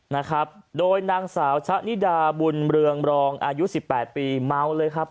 นะครับโดยนางสาวชะนิดาบุญเรืองรองอายุสิบแปดปีเมาเลยครับ